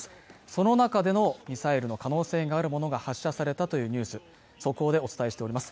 その中でのミサイルの可能性があるものが発射されたというニュース速報でお伝えしております